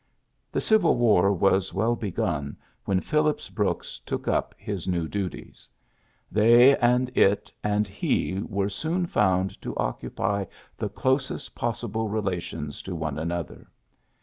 The Civil War was well begun when Phillips Brooks took up his new duties. 26 PHILLIPS BKOOKS They and it and lie were soon found to occupy the closest possible relations to one another.